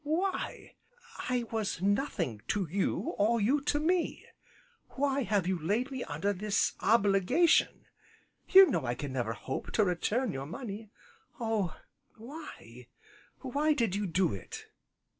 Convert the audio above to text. why? I was nothing to you, or you to me, why have you laid me under this obligation, you know I can never hope to return your money oh! why, why did you do it?"